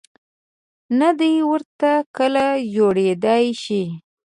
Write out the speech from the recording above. نه دای ورته کله جوړېدای شي.